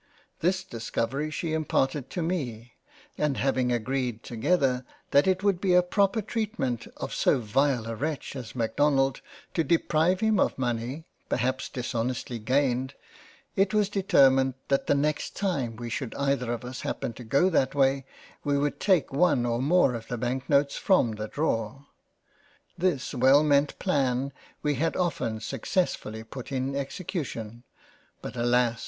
This discovery she imparted to me ; and having agreed to gether that it would be a proper treatment of so vile a Wretch as Macdonald to deprive him of money, perhaps dishonestly gained, it was determined that the next time we should either of us happen to go that way, we would take one or more of the Bank notes from the drawer. This well meant Plan we had often successfully put in Execution ; but alas